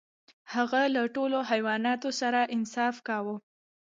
هغه له ټولو حیواناتو سره انصاف کاوه.